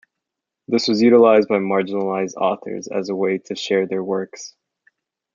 This was utilized by marginalized authors as a way to share their works.